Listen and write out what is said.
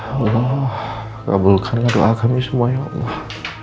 allah kabulkan doa kami semua ya allah